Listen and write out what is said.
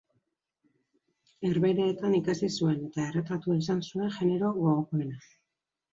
Herbehereetan ikasi zuen eta erretratua izan zuen genero gogokoena.